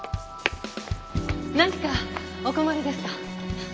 何かお困りですか？